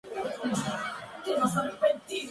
Este tren fue el primer tren comercial de alta velocidad.